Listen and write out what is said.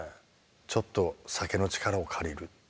「ちょっと酒の力を借りる」って。